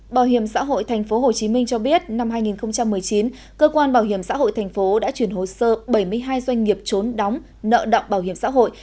bảo hiểm xã hội tp hcm cho biết năm hai nghìn một mươi chín cơ quan bảo hiểm xã hội tp đã chuyển hồ sơ bảy mươi hai doanh nghiệp trốn đóng nợ động bảo hiểm xã hội